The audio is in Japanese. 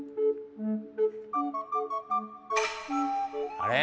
あれ？